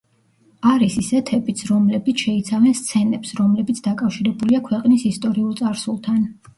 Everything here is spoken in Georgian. არის ისეთებიც, რომლებიც შეიცავენ სცენებს, რომლებიც დაკავშირებულია ქვეყნის ისტორიულ წარსულთან.